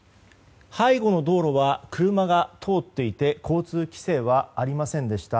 背後の道路は車が通っていて交通規制はありませんでした。